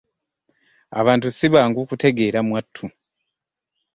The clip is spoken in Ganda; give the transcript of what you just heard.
Abantu si bangu kutegeera mwattu.